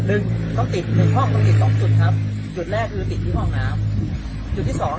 หนึ่งต้องติดหนึ่งห้องต้องติดสองจุดครับจุดแรกคือติดที่ห้องน้ำจุดที่สอง